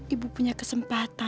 ibu punya kesempatan